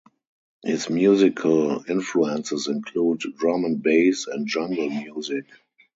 His musical influences include Drum and Bass and Jungle music.